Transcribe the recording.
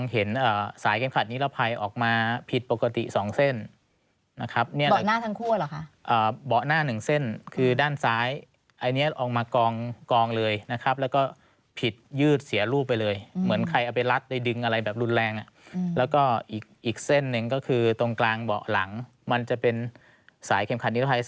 เห็นสายเข็มขัดนิรภัยออกมาผิดปกติ๒เส้นนะครับเนี่ยค่ะเบาะหน้าหนึ่งเส้นคือด้านซ้ายอันนี้ออกมากองเลยนะครับแล้วก็ผิดยืดเสียรูปไปเลยเหมือนใครเอาไปรัดไปดึงอะไรแบบรุนแรงแล้วก็อีกเส้นหนึ่งก็คือตรงกลางเบาะหลังมันจะเป็นสายเข็มขัดนิรภัย